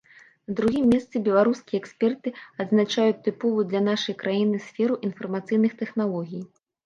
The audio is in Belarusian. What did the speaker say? На другім месцы беларускія эксперты адзначаюць тыповую для нашай краіны сферу інфармацыйных тэхналогій.